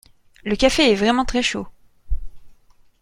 Le café est vraiment très chaud.